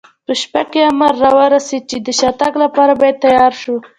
په شپه کې امر را ورسېد، چې د شاتګ لپاره باید تیار شو.